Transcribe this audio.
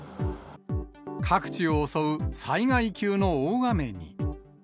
各地を襲う災害級の大雨に。